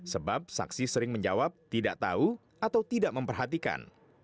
sebab saksi sering menjawab tidak tahu atau tidak memperhatikan